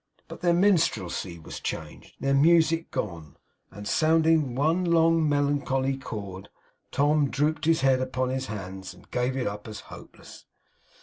But their minstrelsy was changed, their music gone; and sounding one long melancholy chord, Tom drooped his head upon his hands and gave it up as hopeless.